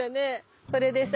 それでさ